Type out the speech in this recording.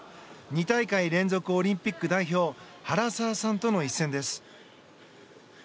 ２大会連続オリンピック代表原沢さんとの一戦です。